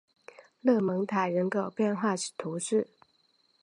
勒蒙塔人口变化图示